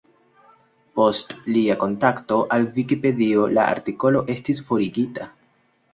Post lia kontakto al Vikipedio, la artikolo estis forigita.